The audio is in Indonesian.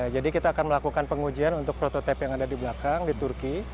jadi kita akan melakukan pengujian untuk prototipe yang ada di belakang di turki